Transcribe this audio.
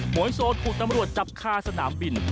หมวยโซดถูกนำรวจจับฆ่าสนามบิน